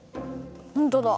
本当だ。